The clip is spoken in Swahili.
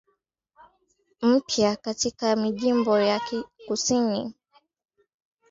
mpya katika majimbo ya kusini zilinyima haki nyingi za kiraia